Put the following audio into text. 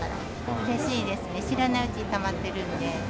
うれしいですね、知らないうちにたまってるんで。